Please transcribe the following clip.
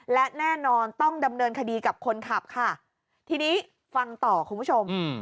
และแน่นอนต้องดำเนินคดีกับคนขับค่ะทีนี้ฟังต่อคุณผู้ชม